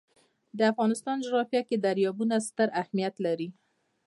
د افغانستان جغرافیه کې دریابونه ستر اهمیت لري.